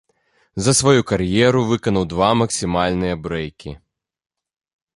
За сваю кар'еру выканаў два максімальныя брэйкі.